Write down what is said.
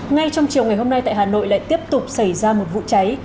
ngay trong chiều ngày hôm nay tại hà nội lại tiếp tục xảy ra một vụ cháy